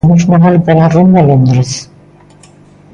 O luns Nadal porá rumbo a Londres.